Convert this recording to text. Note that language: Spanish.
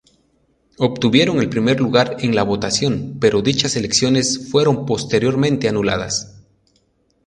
Obtuvieron el primer lugar en la votación, pero dichas elecciones fueron posteriormente anuladas.